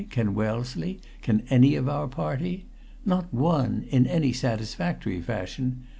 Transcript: Can Wellesley? Can any of our party? Not one, in any satisfactory fashion.